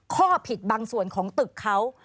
ข้อผิดบางส่วนของตึกเขา